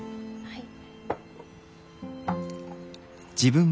はい。